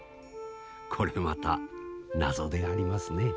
これまた謎でありますねえ。